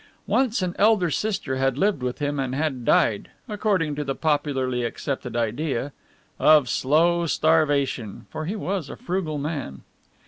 Once an elder sister had lived with him and had died (according to the popularly accepted idea) of slow starvation, for he was a frugal man.